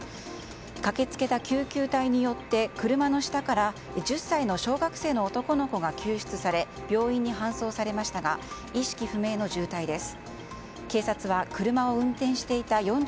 駆け付けた救急隊によって車の下から１０歳の小学生の男の子が救出され病院に搬送されましたが意識不明の重体です。